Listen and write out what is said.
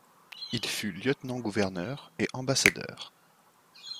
Il fut lieutenant-gouverneur, et ambassadeur.